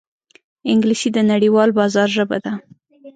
انګلیسي د نړیوال بازار ژبه ده